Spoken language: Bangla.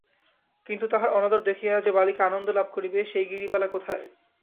কিন্তু তাহার অনাদর দেখিয়া যে বালিকা আনন্দ লাভ করিবে সেই গিরিবালা কোথায়।